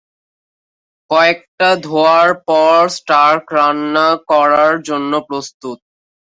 কয়েকটি ধোয়ার পর, স্টার্ক রান্না করার জন্য প্রস্তুত।